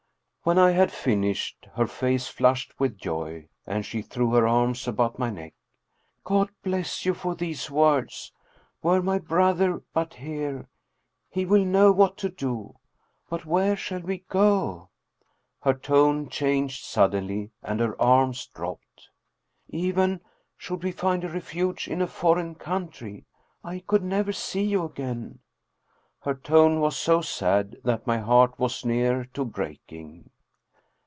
When I had finished her face flushed with joy, and she threw her arms about my neck. " God bless you for these 293 Scandinavian Mystery Stories words. Were my brother but here, he will know what to do. But where shall we go?" her tone changed suddenly and her arms dropped. " Even should we find a refuge in, a foreign country I could never see you again !" Her tone was so sad that my heart was near to breaking.